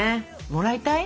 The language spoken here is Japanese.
もらいたい？